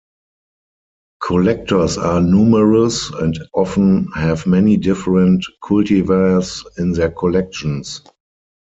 Collectors are numerous and often have many different cultivars in their collections.